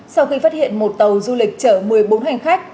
sau khi phát hiện một tàu du lịch chở một mươi bốn hành khách